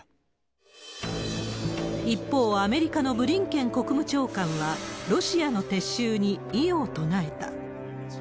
一方、アメリカのブリンケン国務長官は、ロシアの撤収に異を唱えた。